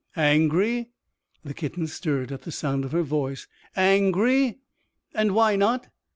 "Angry!" The kitten stirred at the sound of her voice. "Angry! And why not?